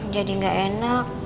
jadi gak enak